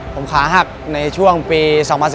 ผมขาหักในช่วงปี๒๐๑๙